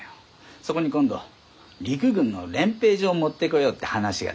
そこに今度陸軍の練兵場を持ってこようって話が出てきた。